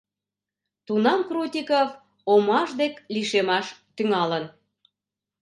Тунам Крутиков омаш дек лишемаш тӱҥалын.